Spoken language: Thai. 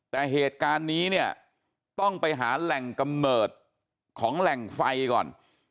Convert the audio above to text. แต่เหตุการณ์นี้เนี่ยต้องไปหาแหล่งกำเนิดของแหล่งไฟก่อน